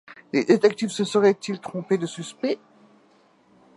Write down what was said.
Les détectives se seraient-ils trompés de suspect?